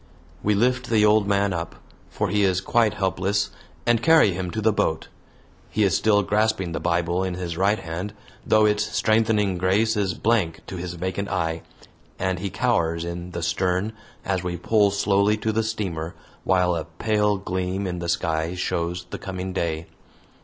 We lift the old man up, for he is quite helpless, and carry him to the boat. He is still grasping the Bible in his right hand, though its strengthening grace is blank to his vacant eye, and he cowers in the stern as we pull slowly to the steamer while a pale gleam in the sky shows the coming day.